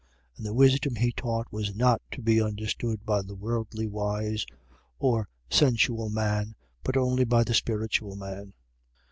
And the wisdom he taught was not to be understood by the worldly wise or sensual man, but only by the spiritual man.